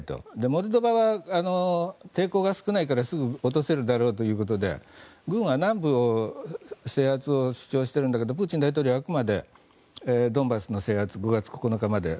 モルドバは抵抗が少ないからすぐに落とせるだろうということで軍は南部を制圧を主張しているんだけどプーチン大統領はあくまでドンバスの制圧を５月９日まで。